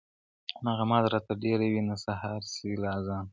نه غماز راته دېره وي نه سهار سي له آذانه -